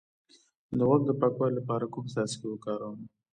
د غوږ د پاکوالي لپاره کوم څاڅکي وکاروم؟